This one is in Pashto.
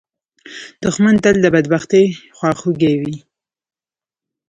دښمن تل د بدبختۍ خواخوږی وي